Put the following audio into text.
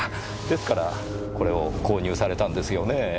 ですからこれを購入されたんですよねぇ？